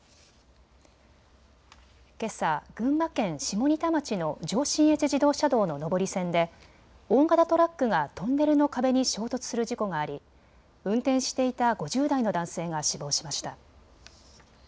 けさ群馬県下仁田町の上信越自動車道の上り線で大型トラックがトンネルの壁に衝突する事故があり運転していた５０代の男性が死亡しました。